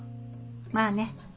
まあね。